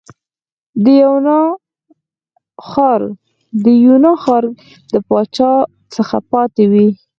د یونا ښار د پاچا څخه پاتې وې.